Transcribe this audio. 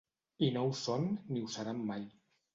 I no ho són ni ho seran mai.